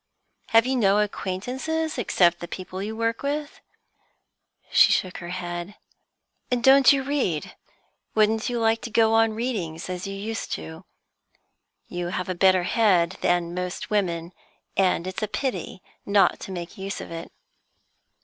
"Have you no acquaintances except the people you work with?" She shook her head. "And you don't read? Wouldn't you like to go on reading as you used to? You have a better head than most women, and it's a pity not to make use of it.